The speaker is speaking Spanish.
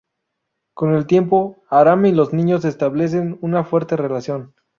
Con el tiempo Aram y los niños establecen una fuerte relación.